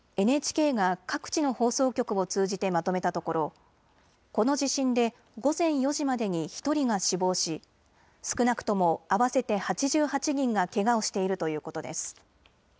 ＮＨＫが各地の放送局を通じてまとめたところこの地震で午前４時までに１人が死亡し、少なくとも合わせて８８人がけがをしているということです。